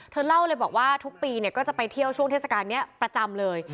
เล่าเลยบอกว่าทุกปีก็จะไปเที่ยวช่วงเทศกาลนี้ประจำเลย